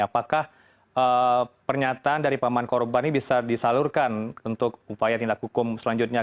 apakah pernyataan dari paman korban ini bisa disalurkan untuk upaya tindak hukum selanjutnya